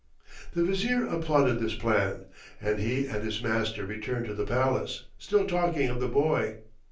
The Vizier applauded this plan, and he and his master returned to the palace, still talking of the boy.